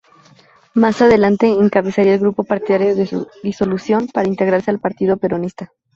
Más adelante encabezaría el grupo partidario de su disolución para integrarse al Partido Peronista.